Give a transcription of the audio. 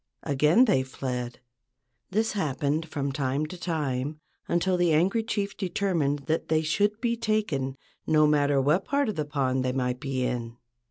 Again they fled. This happened from time to time until the angry chief determined that they should be taken, no matter what part of the pond they might be in.